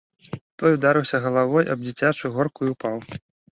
Той ударыўся галавой аб дзіцячую горку і ўпаў.